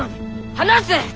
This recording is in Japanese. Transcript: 離せ！